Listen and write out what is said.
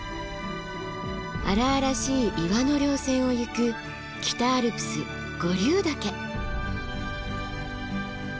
荒々しい岩の稜線をゆく北アルプス五竜岳。